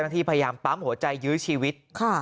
ได้ที่พยายามปั้มหัวใจยืดชีวิตค่ะ